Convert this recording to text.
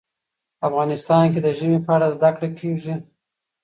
افغانستان کې د ژمی په اړه زده کړه کېږي.